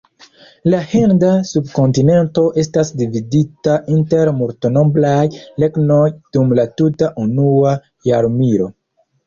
La Hinda subkontinento estas dividita inter multnombraj regnoj dum la tuta unua jarmilo.